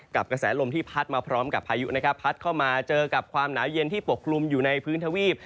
กระแสลมที่พัดมาพร้อมกับพายุนะครับพัดเข้ามาเจอกับความหนาวเย็นที่ปกคลุมอยู่ในพื้นทวีป